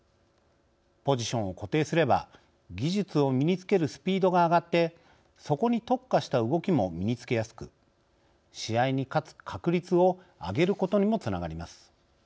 ポジションを固定すれば技術を身につけるスピードが上がってそこに特化した動きも身につけやすく試合に勝つ確率を上げることにもつながります。